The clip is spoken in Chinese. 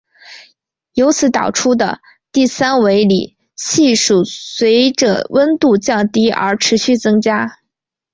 由此导出的第三维里系数随着温度降低而持续增加。